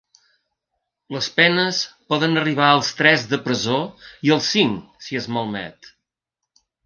Les penes poden arribar als tres de presó i als cinc si es malmet.